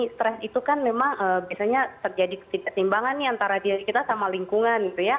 stress itu kan memang biasanya terjadi ketidaksimbangan antara diri kita sama lingkungan